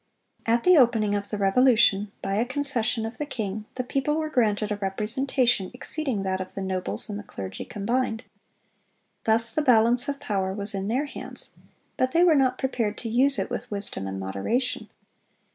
At the opening of the Revolution, by a concession of the king, the people were granted a representation exceeding that of the nobles and the clergy combined. Thus the balance of power was in their hands; but they were not prepared to use it with wisdom and moderation.